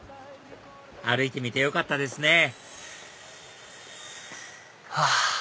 歩いてみてよかったですねはぁ！